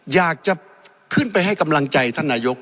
อยากจะขึ้นไปให้กำลังใจท่านนายก